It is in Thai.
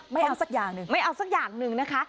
ไม่เอาสักอย่างหนึ่งไม่เอาสักอย่างหนึ่งนะคะ